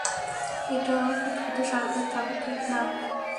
এতটাও খু্ঁতখুতে স্বভাবের থাকা ঠিক নাহ।